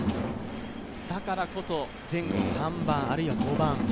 だからこそ、前後３番、あるいは５番。